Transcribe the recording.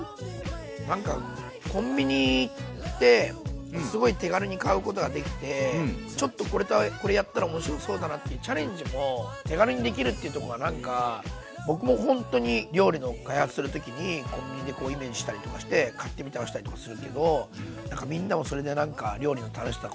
なんかコンビニ行ってすごい手軽に買うことができてちょっとこれとこれやったら面白そうだなっていうチャレンジも手軽にできるっていうとこがなんか僕もほんとに料理の開発する時にコンビニでイメージしたりとかして買ってみて合わせたりとかするけどみんなもそれでなんか料理の楽しさ